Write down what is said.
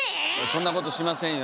そんなことしませんよ。